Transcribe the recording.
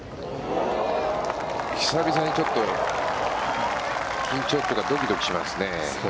久々にちょっと緊張というかドキドキしますね。